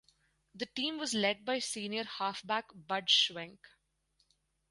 The team was led by senior halfback Bud Schwenk.